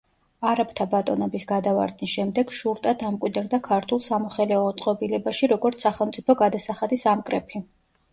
არაბთა ბატონობის გადავარდნის შემდეგ შურტა დამკვიდრდა ქართულ სამოხელეო წყობილებაში როგორც სახელმწიფო გადასახადის ამკრეფი.